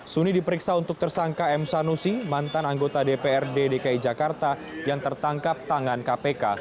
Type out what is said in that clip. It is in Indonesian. suni diperiksa untuk tersangka m sanusi mantan anggota dprd dki jakarta yang tertangkap tangan kpk